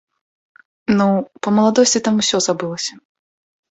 Ну, па маладосці там усё забылася.